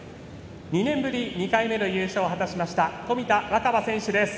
２年ぶり２回目の優勝を果たしました冨田若春選手です。